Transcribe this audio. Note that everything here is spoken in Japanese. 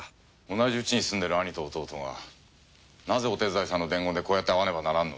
同じ家に住んでる兄と弟がなぜお手伝いさんの伝言でこうやって会わねばならんのだ。